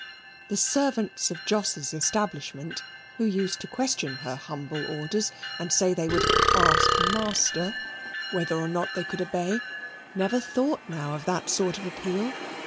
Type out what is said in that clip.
The servants of Jos's establishment, who used to question her humble orders and say they would "ask Master" whether or not they could obey, never thought now of that sort of appeal.